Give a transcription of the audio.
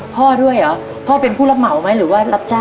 พ่อด้วยเหรอพ่อเป็นผู้รับเหมาไหมหรือว่ารับจ้าง